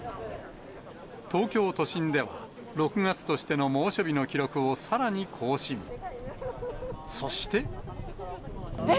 東京都心では、６月としての猛暑日の記録をさらに更新。え？